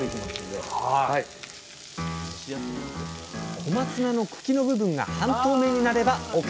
小松菜の茎の部分が半透明になればＯＫ！